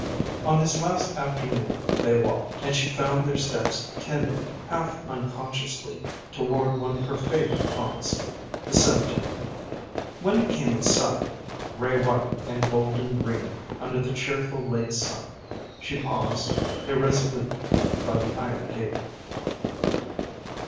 On his last afternoon they walked, and she found their steps tending half unconsciously toward one of her favorite haunts, the cemetery. When it came in sight, gray white and golden green under the cheerful late sun, she paused, irresolute, by the iron gate.